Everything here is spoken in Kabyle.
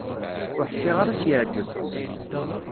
Ur ḥṣiɣ ara ad s-yeɛǧeb.